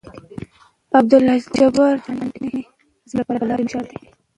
د عبدالباري جهاني لیکنې زموږ لپاره د لارې مشال دي.